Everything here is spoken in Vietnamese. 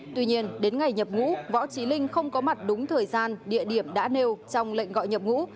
tuy nhiên đến ngày nhập ngũ võ trí linh không có mặt đúng thời gian địa điểm đã nêu trong lệnh gọi nhập ngũ